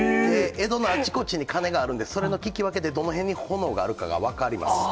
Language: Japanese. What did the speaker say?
江戸のあちこちで鐘があるんで、その聞き分けでどの辺に炎があるかが分かります。